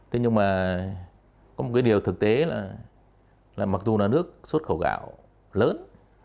thế nhưng mà có một cái điều thực tế là mặc dù là nước xuất khẩu gạo lớn